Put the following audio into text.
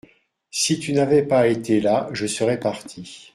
Si tu n’avais pas été là je serais parti.